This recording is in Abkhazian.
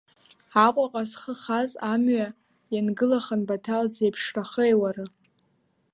Аҟәаҟа зхы хаз амҩа иангылахын Баҭал дзеиԥшрахеи, уара?!